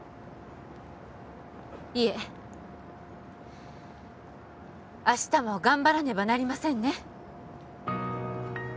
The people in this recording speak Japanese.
いえ明日も頑張らねばなりませんね